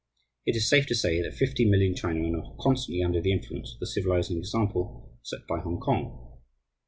It is safe to say that fifty million Chinamen are constantly under the influence of the civilizing example set by Hongkong.